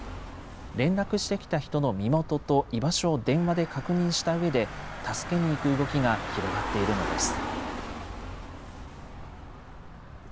連絡してきた人の身元と居場所を電話で確認したうえで、助けに行く動きが広がっているのです。